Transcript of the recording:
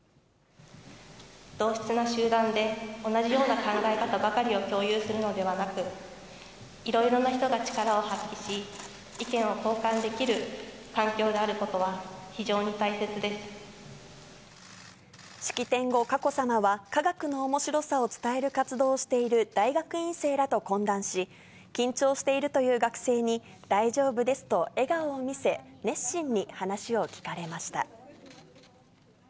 同質な集団で同じような考え方ばかりを共有するのではなく、いろいろな人が力を発揮し、意見を交換できる環境であること式典後、佳子さまは科学のおもしろさを伝える活動をしている大学院生らと懇談し、緊張しているという学生に、大丈夫ですと笑顔を見せ、熱心に話を聞かれました。